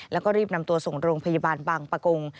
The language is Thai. แล้วก็รีบนำตัวส่งโรงพยาบาลบางปะกง